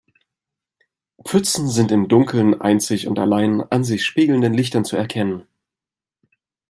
Pfützen sind im Dunkeln einzig und allein an sich spiegelnden Lichtern zu erkennen.